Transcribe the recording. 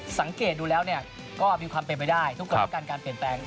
สังเกตดูแล้วเนี่ยก็มีความเปลี่ยนไปได้ครับทุกการณ์การเปลี่ยนแปลง